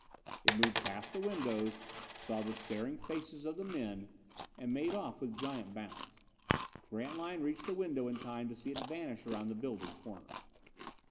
It moved past the windows, saw the staring faces of the men, and made off with giant bounds. Grantline reached the window in time to see it vanish around the building corner.